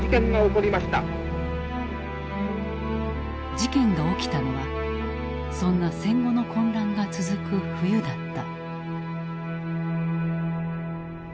事件が起きたのはそんな戦後の混乱が続く冬だった。